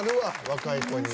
若い子に。